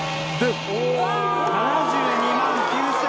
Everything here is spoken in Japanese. ７２万９，９０５円。